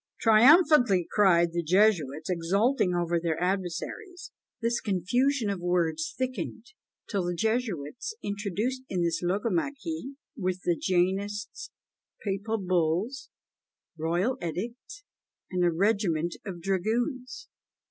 triumphantly cried the Jesuits, exulting over their adversaries. This "confusion of words" thickened, till the Jesuits introduced in this logomachy with the Jansenists papal bulls, royal edicts, and a regiment of dragoons!